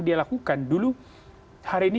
dia lakukan dulu hari ini